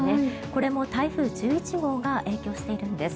これも台風１１号が影響しているんです。